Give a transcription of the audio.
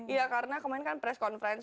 iya karena kemarin kan press conference